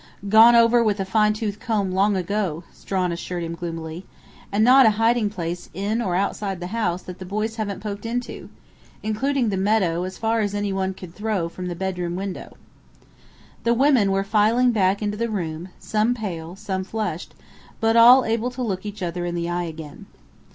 "Gone over with a fine tooth comb long ago," Strawn assured him gloomily. "And not a hiding place in or outside the house that the boys haven't poked into including the meadow as far as anyone could throw from the bedroom window." The women were filing back into the room, some pale, some flushed, but all able to look each other in the eye again.